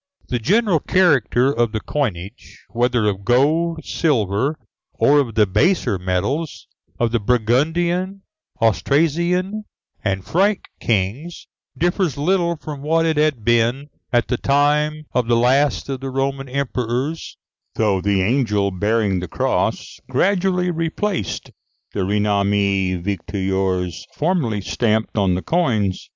The general character of the coinage, whether of gold, silver, or of the baser metals, of the Burgundian, Austrasian, and Frank kings, differs little from what it had been at the time of the last of the Roman emperors, though the Angel bearing the cross gradually replaced the Renommée victorieuse formerly stamped on the coins.